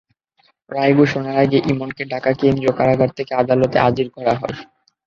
রায় ঘোষণার আগে ইমনকে ঢাকা কেন্দ্রীয় কারাগার থেকে আদালতে হাজির করা হয়।